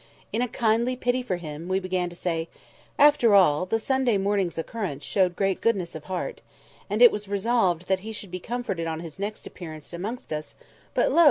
In a kindly pity for him, we began to say, "After all, the Sunday morning's occurrence showed great goodness of heart," and it was resolved that he should be comforted on his next appearance amongst us; but, lo!